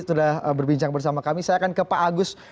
sudah berbincang bersama kami saya akan ke pak agus